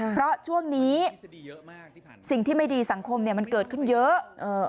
เพราะช่วงนี้สิ่งที่ไม่ดีสังคมมันเกิดขึ้นเยอะ